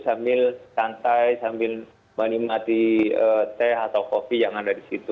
sambil santai sambil menikmati teh atau kopi yang ada di situ